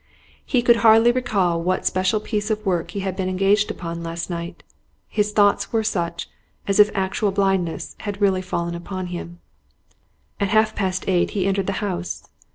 He could hardly recall what special piece of work he had been engaged upon last night. His thoughts were such as if actual blindness had really fallen upon him. At half past eight he entered the house.